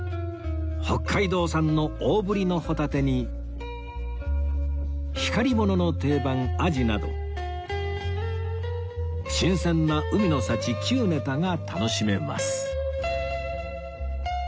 北海道産の大ぶりのホタテに光り物の定番アジなど新鮮な海の幸９ネタが楽しめます